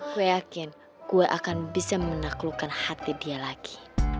gue yakin gue akan bisa menaklukkan hati dia lagi